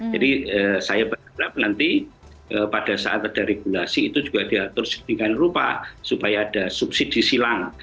jadi saya berharap nanti pada saat ada regulasi itu juga diatur sedikit rupa supaya ada subsidi silang